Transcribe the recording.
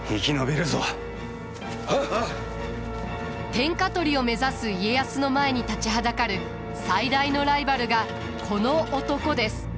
天下取りを目指す家康の前に立ちはだかる最大のライバルがこの男です。